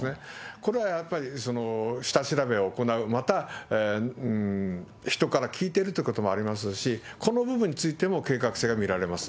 これはやっぱり下調べを行う、また、人から聞いてるということもありますし、この部分についても計画性が見られます。